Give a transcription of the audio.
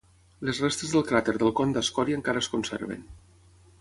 Les restes del cràter del con d'escòria encara es conserven.